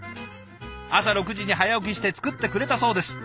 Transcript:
朝６時に早起きして作ってくれたそうです。